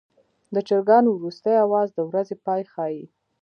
د چرګانو وروستی اواز د ورځې پای ښيي.